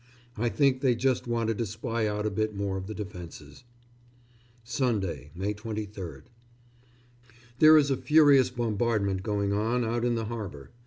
I think they just wanted to spy out a bit more of the defences. Sunday, May 23rd. There is a furious bombardment going on out in the harbour.